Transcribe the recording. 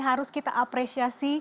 harus kita apresiasi